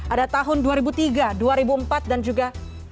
ada tahun dua ribu tiga dua ribu empat dan juga dua ribu lima